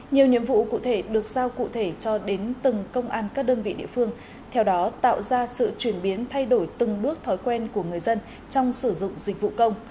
nhiều nhiệm vụ cụ thể được giao cụ thể cho đến từng công an các đơn vị địa phương theo đó tạo ra sự chuyển biến thay đổi từng bước thói quen của người dân trong sử dụng dịch vụ công